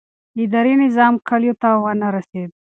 اداري نظام کلیو ته ونه رسېد.